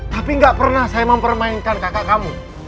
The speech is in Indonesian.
tapi gak pernah saya mempermainkan kakak kamu